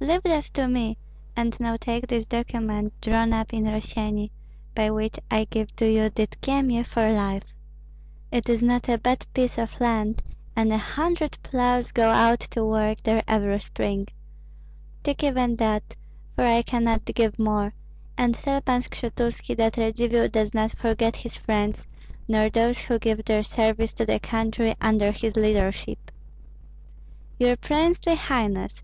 "Leave that to me, and now take this document, drawn up in Rossyeni, by which I give you Dydkyemie for life. It is not a bad piece of land, and a hundred ploughs go out to work there every spring. Take even that, for I cannot give more, and tell Pan Skshetuski that Radzivill does not forget his friends, nor those who give their service to the country under his leadership." "Your princely highness!"